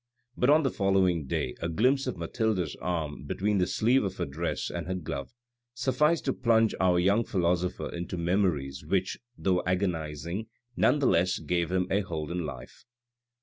But on the following day a glimpse of Mathilde's arm between the sleeve of her dress and her glove sufficed to plunge our young philosopher into memories which, though agonising, none the less gave him a hold on life.